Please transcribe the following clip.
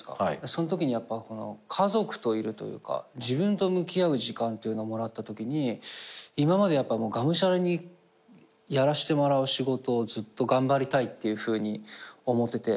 そんときに家族といるというか自分と向き合う時間というのをもらったときに今までがむしゃらにやらしてもらう仕事をずっと頑張りたいって思ってて。